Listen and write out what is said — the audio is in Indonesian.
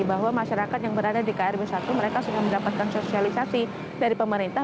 bahwa masyarakat yang berada di krb satu mereka sudah mendapatkan sosialisasi dari pemerintah